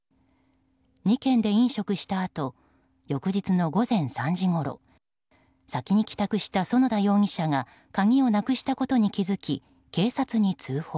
２軒で飲食したあと翌日の午前３時ごろ先に帰宅した其田容疑者が鍵をなくしたことに気づき警察に通報。